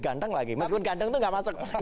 ganteng lagi meskipun ganteng itu nggak masuk kriteria